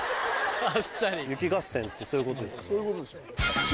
雪合戦ってそういうことですよね。